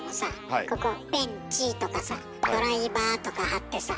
ここ「ペンチ」とかさ「ドライバー」とか貼ってさ